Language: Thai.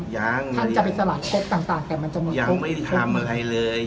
ท่านจะไปสลัดตังต่างแต่มันจะเหมือนกบ